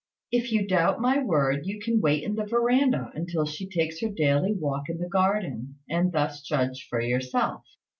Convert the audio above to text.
If you doubt my word, you can wait in the verandah until she takes her daily walk in the garden, and thus judge for yourself."